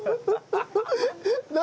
何？